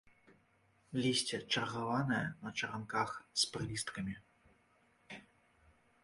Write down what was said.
Лісце чаргаванае, на чаранках, з прылісткамі.